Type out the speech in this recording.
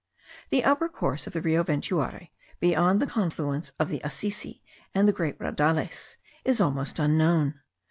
The upper course of the Rio Ventuari, beyond the confluence of the Asisi, and the Great Raudales, is almost unknown.